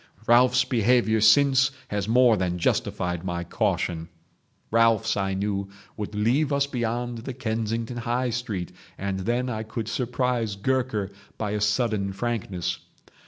Ralphs' behaviour since has more than justified my caution ..... Ralphs, I knew, would leave us beyond the Kensington High Street, and then I could surprise Gurker by a sudden frankness.